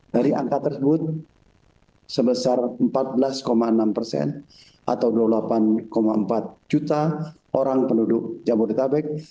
dari angka tersebut sebesar empat belas enam persen atau dua puluh delapan empat juta orang penduduk jabodetabek